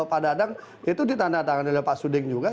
pada adang itu ditandatangani oleh pak suding juga